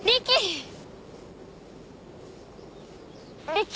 リキ！